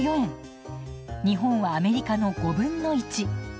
日本はアメリカの５分の１。